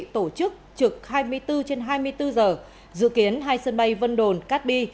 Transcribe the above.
tổ chức trực hai mươi bốn trên hai mươi bốn giờ dự kiến hai sân bay vân đồn cát bi